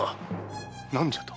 何じゃと？